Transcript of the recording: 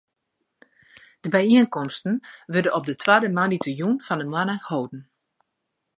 De byienkomsten wurde op de twadde moandeitejûn fan de moanne holden.